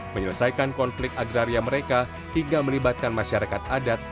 menyelesaikan konflik agraria mereka hingga melibatkan masyarakat adat